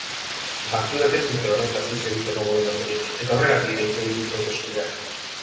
Batzuek ez dute horretaz hitz egiteko borondaterik, eta horregatik deitzen dituzte hauteskundeak.